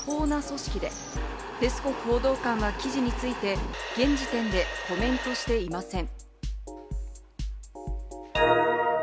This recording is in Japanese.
ロシアの法律では民間軍事会社は違法な組織で、ペスコフ報道官は記事について現時点でコメントしていません。